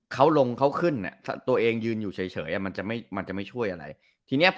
เขาลงเขาขึ้นตัวเองยืนอยู่เฉยมันจะไม่ช่วยอะไร